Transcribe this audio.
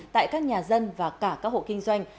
tại các nhà dân và cả các hộ kinh doanh